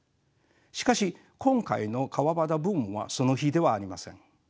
しかし今回の川端ブームはその比ではありません。